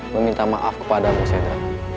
meminta maaf kepadamu sedra